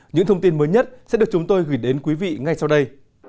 những thông tin mới nhất sẽ được chúng tôi gửi đến quý vị ngay sau đây